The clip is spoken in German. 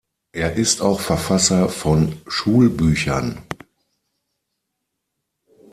Er ist auch Verfasser von Schulbüchern.